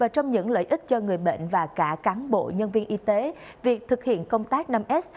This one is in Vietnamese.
trong những lợi ích cho người bệnh và cả cán bộ nhân viên y tế việc thực hiện công tác năm s